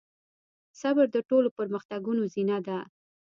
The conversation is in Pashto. صبر د ټولو پرمختګونو زينه ده.